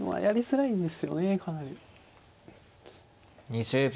２０秒。